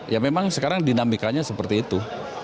ya memang sekarang dinamikanya seperti itu